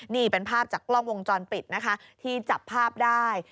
นี่เป็นภาพจากกล้องวงจรปิดนะคะที่จับภาพได้